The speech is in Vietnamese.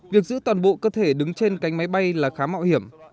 việc giữ toàn bộ cơ thể đứng trên cánh máy bay là khá mạo hiểm